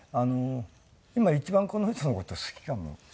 今一番この人の事好きかもしれない。